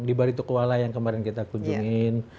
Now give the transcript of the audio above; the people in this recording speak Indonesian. di baritokuala yang kemarin kita kunjungin